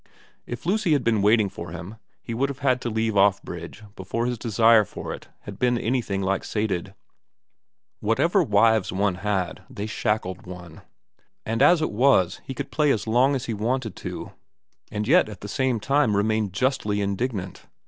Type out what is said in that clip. If Lucy had been waiting for him he would have had to leave off bridge before his desire for it had been anything like sated, whatever wives one had they shackled one, and as it was he could play as long as he wanted to and yet at the same time remain justly indignant.